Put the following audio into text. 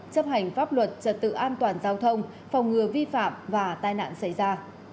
chấp hành pháp luật trật tự an toàn giao thông phòng ngừa vi phạm và tai nạn xảy ra